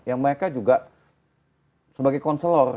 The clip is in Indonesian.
yang mereka juga sebagai konselor